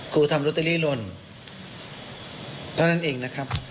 ครูทำลอตเตอรี่หล่นเท่านั้นเองนะครับ